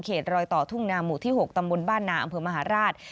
รอยต่อทุ่งนาหมู่ที่๖ตำบลบ้านนาอำเภอมหาราช